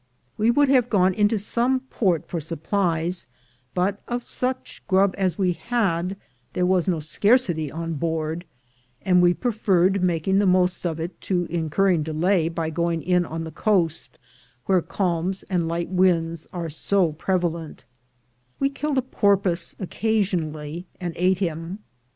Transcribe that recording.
We would have gone into some port for supplies but, of such grub as we had, diere was no scarcity oo board, and we preferred making the most of it to in curring delay by going in on the coast, where calms and lig^t winds are so prevalent We killed a porpoise occasionally, and ate him.